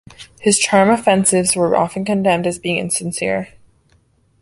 His charm offensives were often condemned as being insincere.